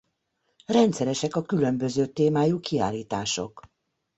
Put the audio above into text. Rendszeresek a különböző témájú kiállítások.